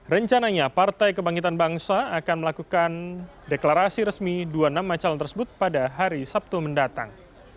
rencananya partai kebangkitan bangsa akan melakukan deklarasi resmi dua puluh enam macalan tersebut pada hari sabtu mendatang